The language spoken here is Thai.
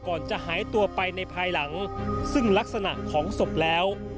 ก่อนจะหายตัวไปในภายหลังซึ่งลักษณะของศพแล้ว